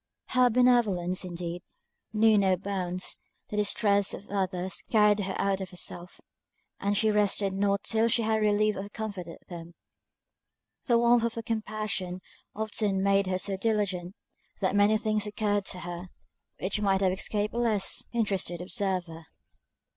Her benevolence, indeed, knew no bounds; the distress of others carried her out of herself; and she rested not till she had relieved or comforted them. The warmth of her compassion often made her so diligent, that many things occurred to her, which might have escaped a less interested observer.